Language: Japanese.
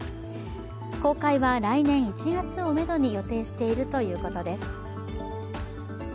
公開は来年１月をめどに予定しているということです。